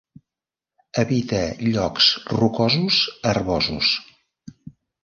Habita llocs rocosos herbosos.